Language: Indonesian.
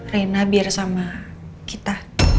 rena biar sama kita